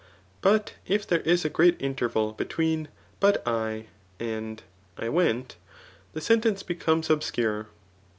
' But if there is a great interval between But /, and / went^ the sentence becomes ob scure.